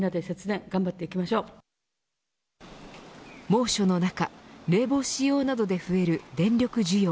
猛暑の中冷房使用などで増える電力需要。